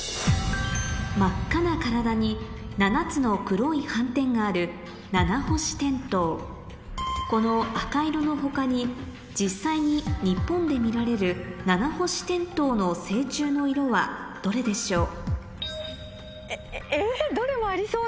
真っ赤な体に７つの黒い斑点があるこの赤色の他に実際に日本で見られるナナホシテントウの成虫の色はどれでしょう？え。